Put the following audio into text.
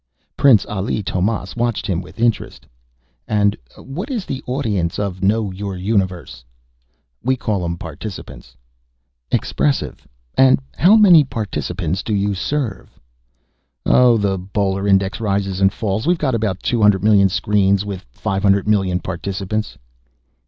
Prince Ali Tomás watched him with interest. "And what is the audience of Know Your Universe!?" "We call 'em 'participants'." "Expressive. And how many participants do you serve?" "Oh, the Bowdler Index rises and falls. We've got about two hundred million screens, with five hundred million participants."